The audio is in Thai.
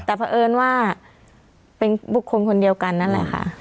แต่เพราะเอิญว่าเป็นบุคคลคนเดียวกันนั่นแหละค่ะ